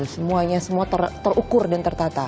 semuanya semua terukur dan tertata